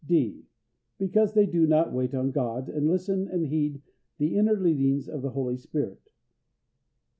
(d) Because they do not wait on God, and listen and heed the inner leadings of the Holy Spirit.